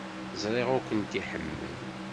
Ẓriɣ ur kent-iḥemmel.